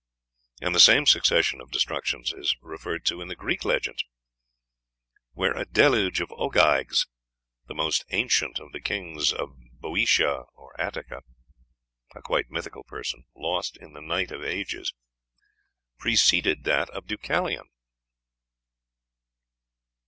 And the same succession of destructions is referred to in the Greek legends, where a deluge of Ogyges "the most ancient of the kings of Boeotia or Attica, a quite mythical person, lost in the night of ages" preceded that of Deucalion.